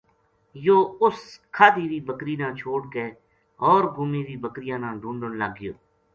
یوہ اُس کھادی وی بکری نا چھوڈ کے ہو ر گُمی وی بکریاں نا ڈُھونڈن لگ گیو